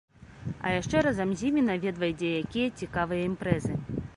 А яшчэ разам з імі наведвае дзе-якія цікавыя імпрэзы.